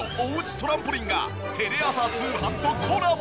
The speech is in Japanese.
トランポリンがテレ朝通販とコラボ！